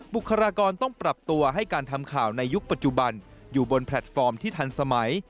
บุคลากรต้องปรับตัวให้การทำข่าวในยุคปัจจุบันอยู่บนแพลตฟอร์มที่ทันสมัย